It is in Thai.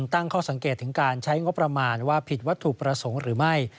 ตั้งข้อสังเกตถึงการใช้งบประมาณว่าผิดวัตถุประสงค์หรือไม่